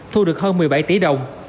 thu được hơn một mươi bảy tỷ đồng